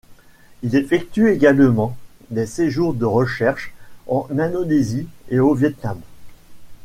Il effectue également des séjours de recherche en Indonésie et au Vietnam.